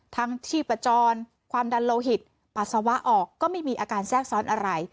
ที่ประจรความดันโลหิตปัสสาวะออกก็ไม่มีอาการแทรกซ้อนอะไร